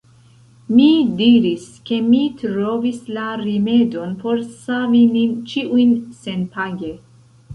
Mi diris, ke mi trovis la rimedon por savi nin ĉiujn senpage.